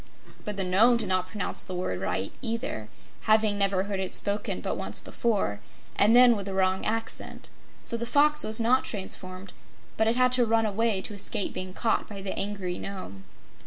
But the Nome did not pronounce the word aright, either, having never heard it spoken but once before, and then with a wrong accent. So the Fox was not transformed, but it had to run away to escape being caught by the angry Nome.